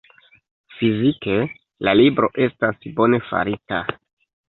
Fizike, la libro estas bone farita.